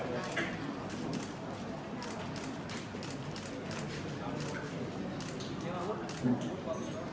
รับ